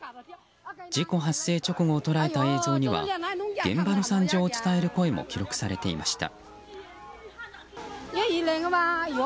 事故発生直後を捉えた映像には現場の惨状を伝える声も記録されていました。